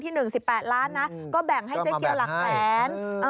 ที่๑สิบแปดล้านนะก็แบ่งให้เจ๊เกียวหลักแผน